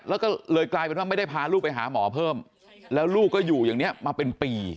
แล้วก็เลยกลายเป็นว่าไม่ได้พาลูกไปหาหมอเพิ่มแล้วลูกก็อยู่อย่างนี้มาเป็นปี